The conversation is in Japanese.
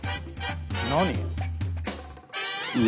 何？